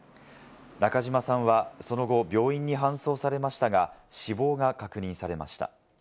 中島さんはその後病院に搬送されましたが、死亡が確認されました。